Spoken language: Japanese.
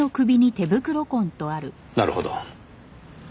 なるほど。